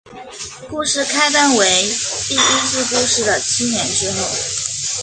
故事开端为第一季故事的七年之后。